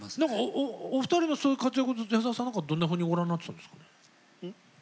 お二人のそういう活躍を矢沢さんなんかはどんなふうにご覧になっていたんですか？